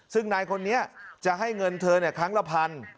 ซึ่งนายคนนี้จะให้เงินเธอครั้งละพัน